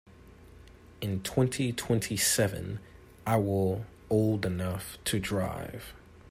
In twenty-twenty-seven I will old enough to drive.